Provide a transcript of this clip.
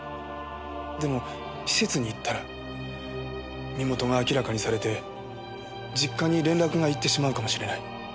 でも施設に行ったら身元が明らかにされて実家に連絡がいってしまうかもしれない。